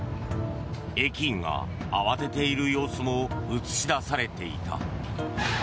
駅員が慌てている様子も映し出されていた。